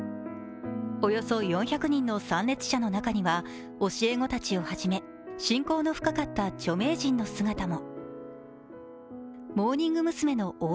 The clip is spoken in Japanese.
およそ４００人の参列者の中には教え子たちをはじめ親交の深かった著名人の姿も。